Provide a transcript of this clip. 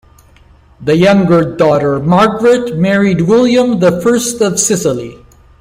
The younger daughter, Margaret, married William the First of Sicily.